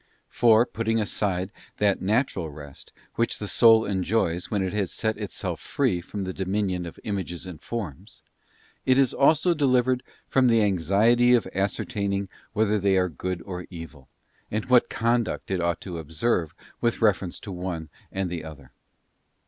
For, putting aside that natural rest which the soul enjoys when it has set itself free from the dominion of images and forms, it is also delivered PEACE, FRUIT OF DETACHMENT. 231 from the anxiety of ascertaining whether they are good or evil, and what conduct it ought to observe with reference to the one and the other.